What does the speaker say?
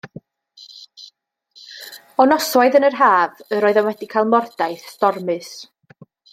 O noswaith yn yr haf, yr oeddem wedi cael mordaith stormus.